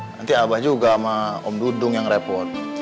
nanti abah juga sama om dudung yang repot